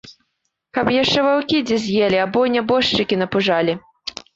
Каб яшчэ ваўкі дзе з'елі або нябожчыкі напужалі.